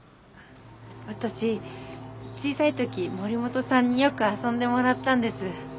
私小さい時森本さんによく遊んでもらったんです。